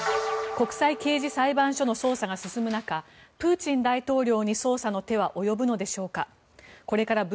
国際刑事裁判所の捜査が進む中プーチン大統領に捜査の手は及ぶのでしょうか。